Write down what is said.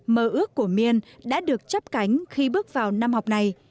mơ ước của miên đã được chấp cánh khi bước vào năm học này